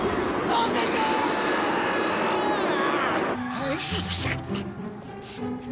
はい。